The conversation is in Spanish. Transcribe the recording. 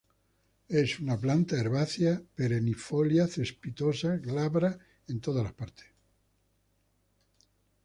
Es una planta herbácea perennifolia, cespitosa, glabra en todas las partes.